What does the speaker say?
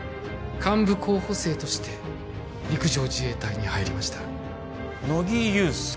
幹部候補生として陸上自衛隊に入りました乃木憂助